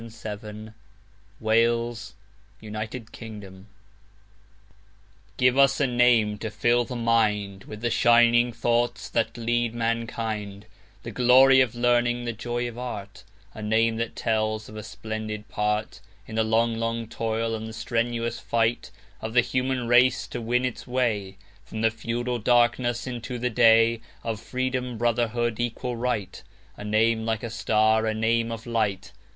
Henry van Dyke The Name of France GIVE us a name to fill the mindWith the shining thoughts that lead mankind, The glory of learning, the joy of art,—A name that tells of a splendid partIn the long, long toil and the strenuous fightOf the human race to win its wayFrom the feudal darkness into the dayOf Freedom, Brotherhood, Equal Right,—A name like a star, a name of light.